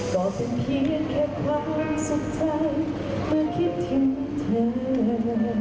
ก็เป็นเพียงแค่ความสุขใจเมื่อคิดถึงเธอ